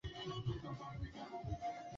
Chupa za maji zimeoshwa.